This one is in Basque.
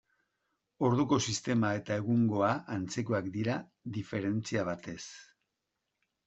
Orduko sistema eta egungoa antzekoak dira, diferentzia batez.